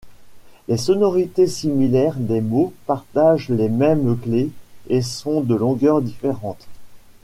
Les sonorités similaires des mots partagent les mêmes clés et sont de longueurs différentes.